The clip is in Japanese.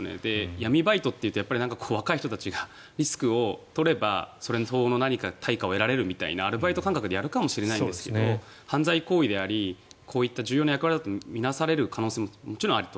闇バイトというと若い人たちがリスクを取ればそれ相応の何か対価を得られるみたいなアルバイト感覚でやるかもしれないですが犯罪行為でありこういった重要な役割だと見なされる可能性ももちろんありと。